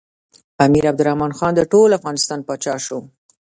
امیر عبدالرحمن خان د ټول افغانستان پاچا شو.